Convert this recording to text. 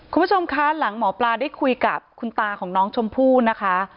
คุณผู้ชมคะหลังหมอปลาได้คุยกับคุณตาของน้องชมพู่นะคะ